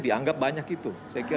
dianggap banyak itu